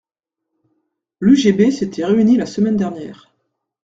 L’UGB s’était réunie la semaine dernière.